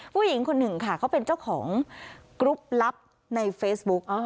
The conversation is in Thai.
ผู้หญิงคนหนึ่งค่ะเขาเป็นเจ้าของกรุ๊ปลับในเฟซบุ๊ก